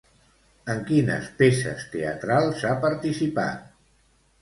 En quines peces teatrals ha participat?